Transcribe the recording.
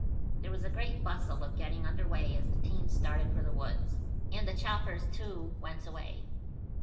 There was a great bustle of getting under way as the teams started for the woods, and the choppers, too, went away.